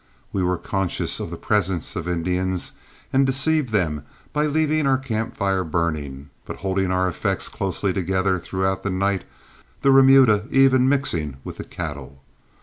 We were conscious of the presence of Indians, and deceived them by leaving our camp fire burning, but holding our effects closely together throughout the night, the remuda even mixing with the cattle.